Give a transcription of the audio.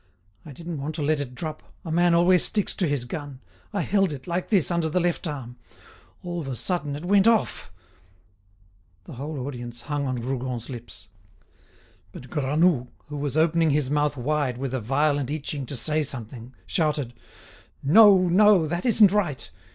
I didn't want to let it drop; a man always sticks to his gun. I held it, like this, under the left arm. All of a sudden, it went off—" The whole audience hung on Rougon's lips. But Granoux, who was opening his mouth wide with a violent itching to say something, shouted: "No, no, that isn't right.